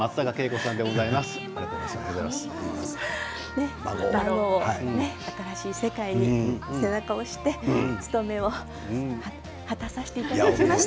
ねえあのね新しい世界に背中を押して務めを果たさせていただきました。